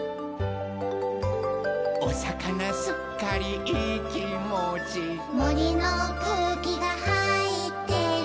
「おさかなすっかりいいきもち」「もりのくうきがはいってる」